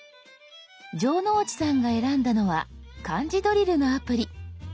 城之内さんが選んだのは漢字ドリルのアプリ。